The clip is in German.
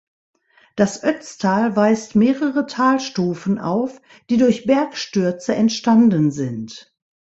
Das Ötztal weist mehrere Talstufen auf, die durch Bergstürze entstanden sind.